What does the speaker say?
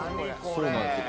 そうなんですよ。